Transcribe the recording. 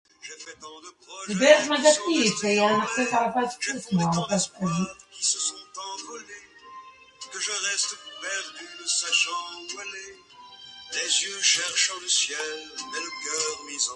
Mais la majorité des membres considèrent qu'une implantation sur l'Ocean Avenue est plus souhaitable.